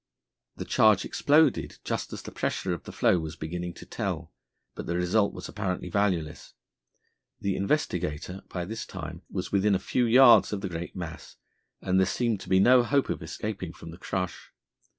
The charge exploded just as the pressure of the floe was beginning to tell, but the result was apparently valueless. The Investigator by this time was within a few yards of the great mass, and there seemed to be no hope of escaping from the crush.